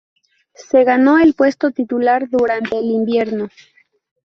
Se ganó el puesto titular durante el invierno.